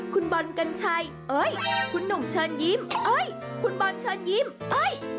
คุณบอลกัญชัยเอ้ยคุณหนุ่มเชิญยิ้มเอ้ยคุณบอลเชิญยิ้มเอ้ย